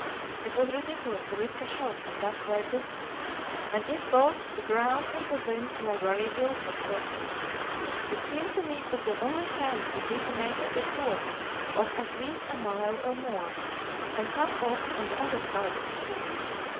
It was ridiculous to risk a shot at that great distance, and yet both the ground and the wind lay very ill for stalking. It seemed to me that the only chance would be to make a detour of at least a mile or more, and come up on the other side of the koodoo.